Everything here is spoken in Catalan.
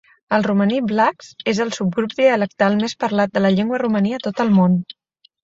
El romaní vlax és el subgrup dialectal més parlat de la llengua romaní a tot el món.